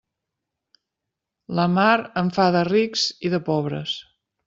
La mar en fa de rics i de pobres.